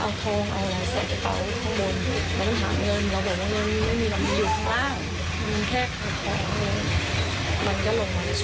ซึ่งไหนครับอืมในภายนี้นะรีเมตร